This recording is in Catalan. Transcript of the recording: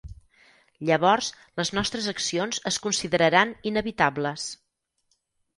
Llavors les nostres accions es consideraran inevitables.